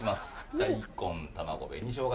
大根たまご紅しょうが